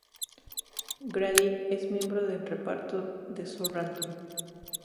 Grady es miembro del reparto de "So Random!".